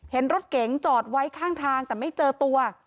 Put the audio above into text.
เห็นรถเก๋งจอดไว้ข้างทางแต่ไม่เจอตัว